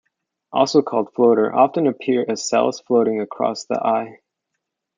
Also called "floater" - often appear as cells floating across the eye.